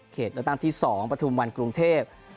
เขตตั้งที่๒ประธุมวันกรุงเทพฯ